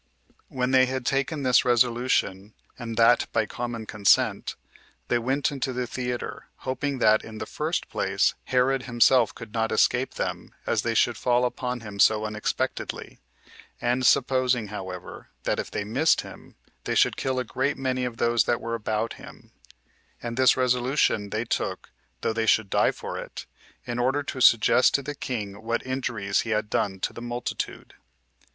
4. When they had taken this resolution, and that by common consent, they went into the theater, hoping that, in the first place, Herod himself could not escape them, as they should fall upon him so unexpectedly; and supposing, however, that if they missed him, they should kill a great many of those that were about him; and this resolution they took, though they should die for it, in order to suggest to the king what injuries he had done to the multitude.